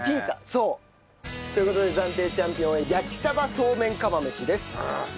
そう。という事で暫定チャンピオンは焼鯖そうめん釜飯です。